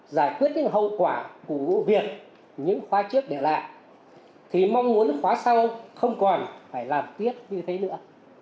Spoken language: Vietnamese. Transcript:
giải quyết cái hậu quả của vụ việc những khóa trước để lại thì mong muốn khóa sau không còn phải làm tiếp như thế nữa